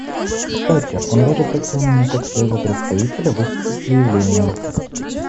Кстати, он даже просил меня как своего представителя выступить с заявлением.